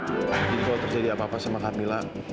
jadi kalau terjadi apa apa sama kamila